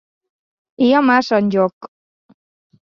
Hi ha massa en joc.